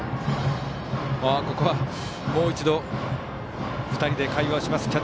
ここは、もう一度２人で会話をします。